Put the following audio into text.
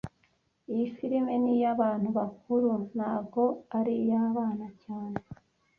Iyi firime ni iyabantu bakuru, ntago ari iyabana cyane